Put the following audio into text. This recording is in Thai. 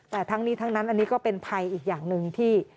แต่ทั้งนี้ทั้งนั้นอันนี้ก็เป็นภัยอีกอย่างหนึ่งที่